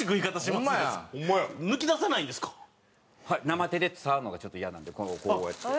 生手で触るのがちょっと嫌なんでこうやって。